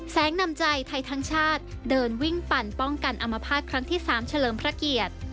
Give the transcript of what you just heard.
นำใจไทยทั้งชาติเดินวิ่งปั่นป้องกันอมภาษณ์ครั้งที่๓เฉลิมพระเกียรติ